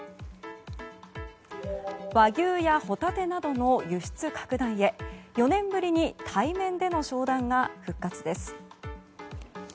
和牛やホタテなどの輸出拡大へ４年ぶりに対面での商談が復活です。